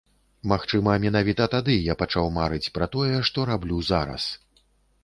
Магчыма, менавіта тады я пачаў марыць пра тое, што раблю зараз.